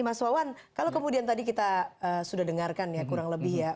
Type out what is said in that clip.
mas wawan kalau kemudian tadi kita sudah dengarkan ya kurang lebih ya